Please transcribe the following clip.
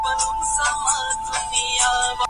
کېدای سي سبزېجات وسوځي.